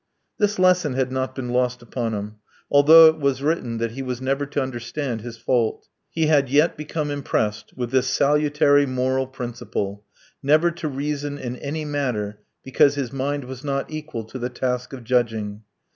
This lesson had not been lost upon him, although it was written that he was never to understand his fault. He had yet become impressed with this salutary moral principle: never to reason in any matter because his mind was not equal to the task of judging.